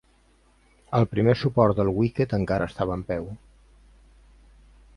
El primer suport del wicket encara estava en peu.